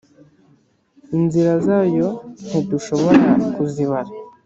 Inzira zayo ntidushobora kuzibara